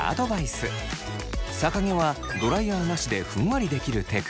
逆毛はドライヤーなしでふんわりできるテク。